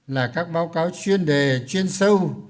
là các báo cáo chuyên đề chuyên sâu